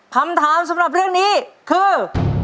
คำถามสำหรับเรื่องนี้คือ